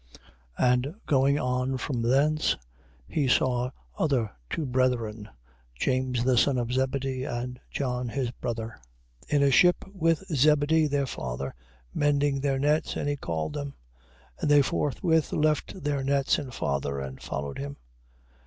4:21. And going on from thence, he saw other two brethren, James the son of Zebedee, and John his brother, in a ship with Zebedee their father, mending their nets: and he called them. 4:22. And they forthwith left their nets and father, and followed him.